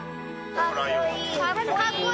かっこいい。